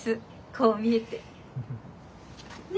こう見えて。ね。